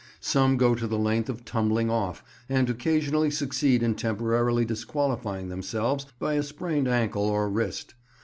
Some go the length of tumbling off, and occasionally succeed in temporarily disqualifying themselves by a sprained ankle or wrist.